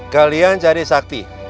kalian cari sakti